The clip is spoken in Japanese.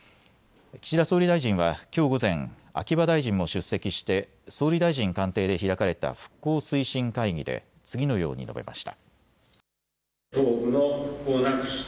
岸田総理大臣はきょう午前、秋葉大臣も出席して総理大臣官邸で開かれた復興推進会議で次のように述べました。